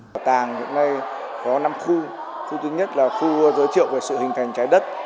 bảo tàng hiện nay có năm khu thứ nhất là khu giới thiệu về sự hình thành trái đất